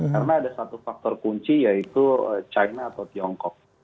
karena ada satu faktor kunci yaitu china atau tiongkok